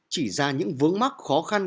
chỉ ra những vướng mắt khó khăn